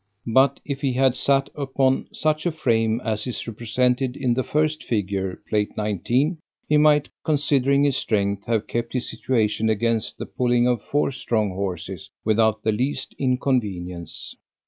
But if he had sat upon such a frame as is represented in the first figure, (Plate 19) he might (considering his strength) have kept his situation against the pulling of four strong horses without the least inconvenience.